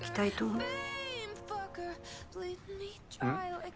うん？